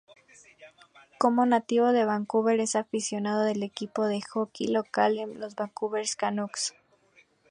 Como nativo de Vancouver, es aficionado del equipo de hockey local, los Vancouver Canucks.